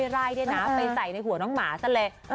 ไปใส่ในหัวน้องหมาซะเลย